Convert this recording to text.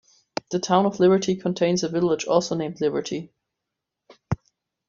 The Town of Liberty contains a village also named Liberty.